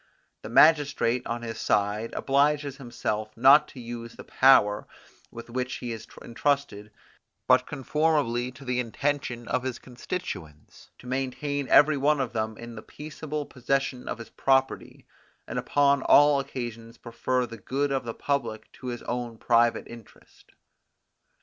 The magistrate, on his side, obliges himself not to use the power with which he is intrusted but conformably to the intention of his constituents, to maintain every one of them in the peaceable possession of his property, and upon all occasions prefer the good of the public to his own private interest.